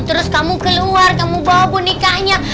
terus kamu keluar kamu bawa bonikanya